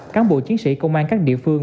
cán bộ chiến sĩ công an các địa phương